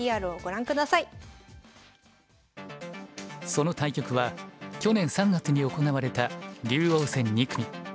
その対局は去年３月に行われた竜王戦２組。